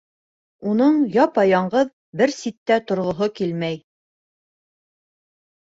Уның япа-яңғыҙ бер ситтә торғоһо килмәй.